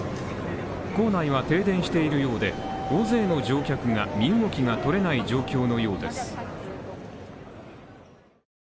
構内は停電しているようで大勢の乗客が身動きがとれない状況のようです。